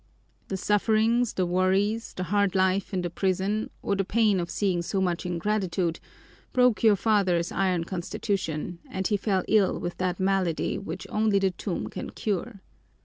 "The sufferings, the worries, the hard life in the prison, or the pain of seeing so much ingratitude, broke your father's iron constitution and he fell ill with that malady which only the tomb can cure.